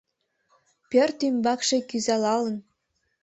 Пӧрт ӱмбакше кӱзалалын